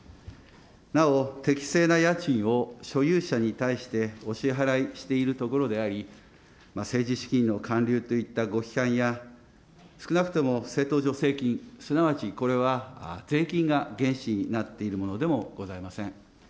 なお、適正な家賃を所有者に対してお支払いしているところであり、政治資金の還流といったご批判や、少なくとも政党助成金、すなわちこれは税金が原資になっているものでもございません。